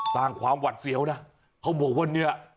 สร้างความหวัดเสียวนะเขาบอกว่าเนี่ย